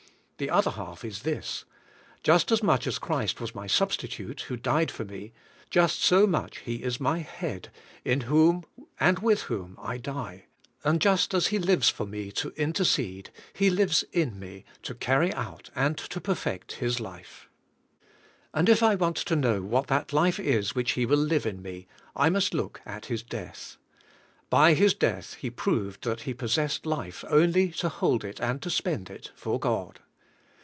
The 78 CHRIST OUR LIFE Other half is this: just as much as Christ was my substitute, who died for me, just so much He is my head, in whom, and with whom, I die; and just as He lives for me, to intercede. He lives in me, to carry out and to perfect His life. And if I want to know what that life is which He will live in me, I must look at His death. By His death He proved that He possessed life only to hold it, and to spend it, for God.